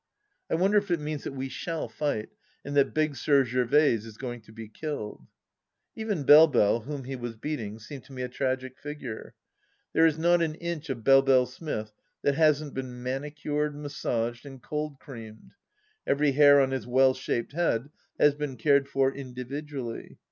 I wonder if it means that we shall fight and that Big Sir Gervaise is going to be kUled. Even BeUe Belle, whom he was beating, seemed to me a tragic figure. There is not an inch of Belle Belle Smith that hasn't been manicured, massaged, and cold creamed. Every hair on his well shaped head has been cared for indi vidually.